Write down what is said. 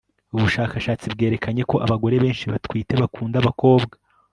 Ubushakashatsi bwerekanye ko abagore benshi batwite bakunda abakobwa